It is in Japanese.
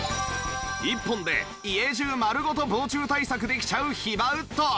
１本で家中まるごと防虫対策できちゃうヒバウッド